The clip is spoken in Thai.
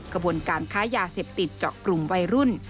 กระบวนการค้ายาเสพติดเจาะกลุ่มวัยรุ่น